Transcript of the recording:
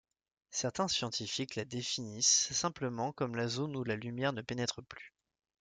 Certains scientifiques la définissent simplement comme la zone où la lumière ne pénètre plus.